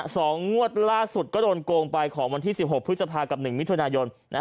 งวดล่าสุดก็โดนโกงไปของวันที่๑๖พฤษภากับหนึ่งมิถุนายน